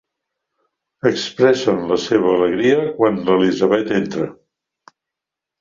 Expressen la seva alegria quan l'Elizabeth entra.